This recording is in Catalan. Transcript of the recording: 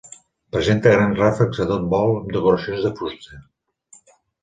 Presenta grans ràfecs a tot vol amb decoracions de fusta.